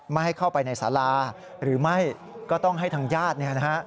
ไม่ให้เข้าไปในสาราหรือไม่ก็ต้องให้ทางญาติเนี่ยนะฮะ